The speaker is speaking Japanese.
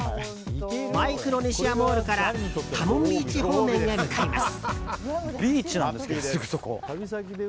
マイクロネシアモールからタモンビーチ方面へ向かいます。